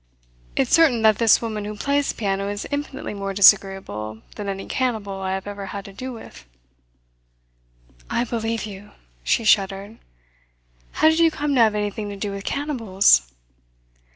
"It's certain that this woman who plays the piano is infinitely more disagreeable than any cannibal I have ever had to do with." "I believe you!" She shuddered. "How did you come to have anything to do with cannibals?"